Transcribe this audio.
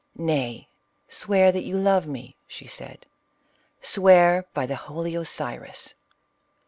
" Nay ! swear that you love me," she said, —" swear by the holy Osiris